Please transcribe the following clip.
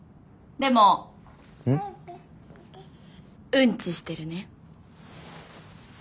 うんちしてるね。